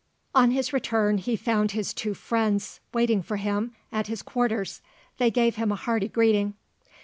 On his return, he found his two friends waiting for him, at his quarters. They gave him a hearty greeting.